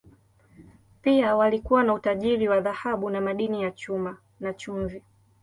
Pia walikuwa na utajiri wa dhahabu na madini ya chuma, na chumvi.